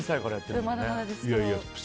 まだまだですけど。